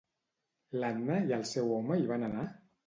L'Anna i el seu home hi van anar?